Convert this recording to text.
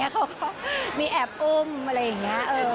เขาก็มีแอบอุ้มอะไรอย่างนี้